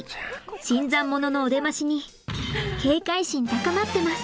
新参者のお出ましに警戒心高まってます。